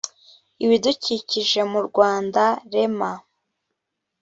ibidukikije mu rwanda rema